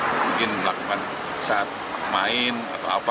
mungkin melakukan saat main atau apa